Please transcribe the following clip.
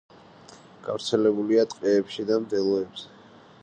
გავრცელებულია ტყეებში და მდელოებზე.